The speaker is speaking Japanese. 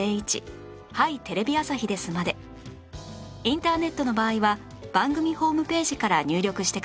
インターネットの場合は番組ホームページから入力してください